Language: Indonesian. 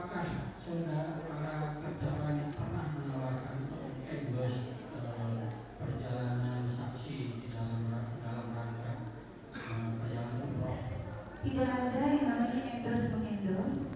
kalau yang saya harapkan karena dia berduduk dalam kejarannya dia mendapatkan fasilitas seperti itu